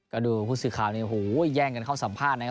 ก็ดูผู้ศือข้าวนี้ย่างกันเข้าสัมภาษณ์นะครับ